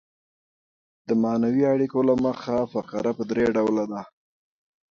د معنوي اړیکو له مخه فقره پر درې ډوله ده.